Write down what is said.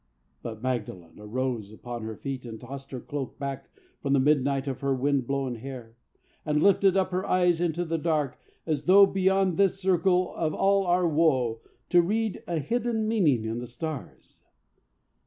But Magdalen Arose upon her feet and tossed her cloak Back from the midnight of her wind blown hair And lifted up her eyes into the dark As though, beyond this circle of all our woe, To read a hidden meaning in the stars.